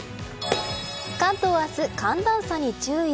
関東は明日、寒暖差に注意。